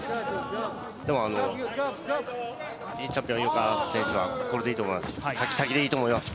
でも、チャンピオン・井岡選手はこれでいいと思います。